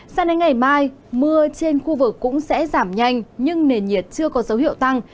sang đến ngày mai mưa trên khu vực cũng sẽ giảm nhanh nhưng nền nhiệt chưa có dấu hiệu tăng